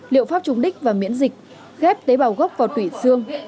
liệu pháp trúng đích và miễn dịch ghép tế bào gốc vào tủy xương